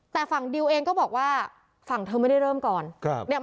แต่ฝั่งดิวเองก็บอกว่าฝั่งเธอไม่ได้เริ่มก่อนครับ